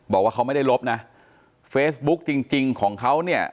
บอกว่าเขาไม่ได้ลบนะเฟซบุ๊คจริงจริงของเขาเนี่ย